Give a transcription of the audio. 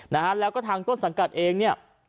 นะฮะแล้วก็ทางต้นสังกัดเองเนี่ย